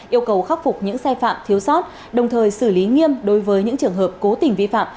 yêu cầu khắc phục những sai phạm thiếu sót đồng thời xử lý nghiêm đối với những trường hợp cố tình vi phạm